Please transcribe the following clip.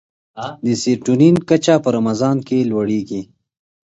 د سیرټونین کچه په رمضان کې لوړېږي.